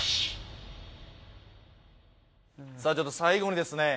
さあちょっと最後にですね